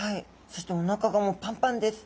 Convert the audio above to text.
そしておなかがもうパンパンです。